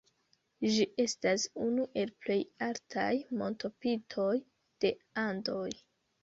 Ĝi estas unu el plej altaj montopintoj de Andoj.